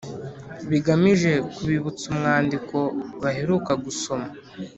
bigamije kubibutsa umwandiko baheruka gusoma